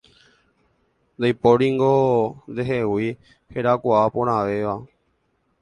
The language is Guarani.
Ndaipóringo ndehegui herakuãporãvéva